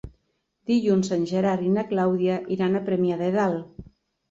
Dilluns en Gerard i na Clàudia iran a Premià de Dalt.